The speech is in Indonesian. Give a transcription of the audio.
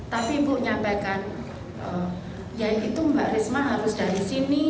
tapi ibu menyampaikan ya itu mbak risma harus dari sini